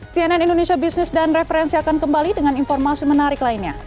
cnn indonesia business dan referensi akan kembali dengan informasi menarik lainnya